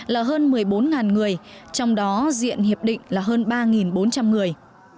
là hơn một mươi bốn người trong đó diện hiệp định là hơn ba bốn trăm linh người